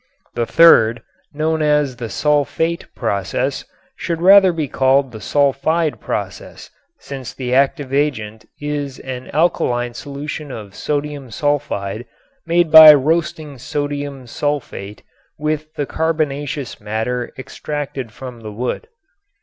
The third, known as the "sulfate" process, should rather be called the sulfide process since the active agent is an alkaline solution of sodium sulfide made by roasting sodium sulfate with the carbonaceous matter extracted from the wood.